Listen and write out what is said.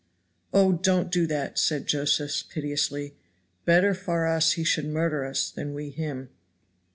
"Oh! don't do that," said Josephs piteously. "Better far us he should murder us than we him."